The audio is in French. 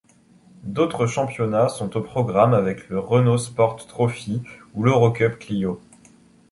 D'autres championnats sont au programme avec le Renault Sport Trophy ou l'Eurocup Clio.